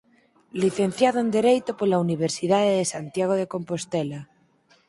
Licenciado en Dereito pola Universidade de Santiago de Compostela.